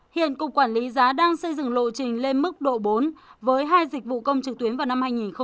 hiện cục quản lý giá đang xây dựng lộ trình lên mức độ bốn với hai dịch vụ công trực tuyến vào năm hai nghìn hai mươi